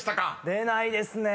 出ないですね